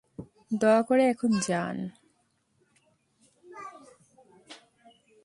দয়া করে এখন যান।